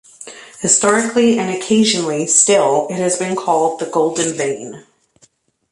Historically, and occasionally still, it has been called the Golden Vein.